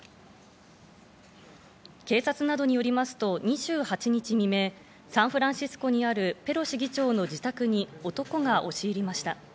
警察などによりますと、２８日未明、サンフランシスコにあるペロシ議長の自宅に男が押し入りました。